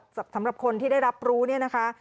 สำหรับคนที่ได้รับรู้เนี่ยนะคะ